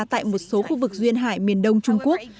tại một số khu vực duyên hải miền đông trung quốc